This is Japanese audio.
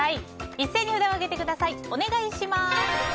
一斉に札を上げてください。